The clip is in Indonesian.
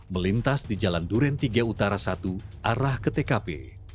melintas di jalan duren tiga utara satu arah ke tkp